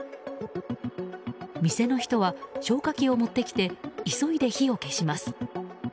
店の人は、消火器を持ってきて急いで火を消します。